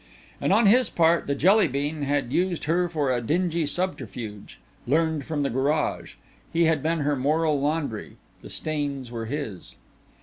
And on his part the Jelly bean had used for her a dingy subterfuge learned from the garage. He had been her moral laundry; the stains were his.